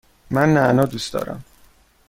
من نعنا دوست دارم.